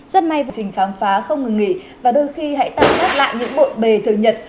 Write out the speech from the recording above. rất may vừa trình khám phá không ngừng nghỉ và đôi khi hãy tăng các lại những bộ bề thường nhật